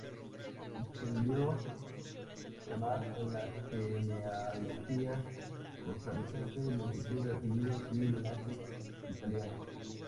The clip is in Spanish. Existiendo —además— en la genealogía costarricense multitud de apellidos y linajes italianos.